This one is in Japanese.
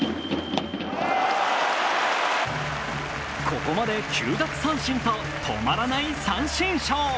ここまで９奪三振と止まらない三振ショー。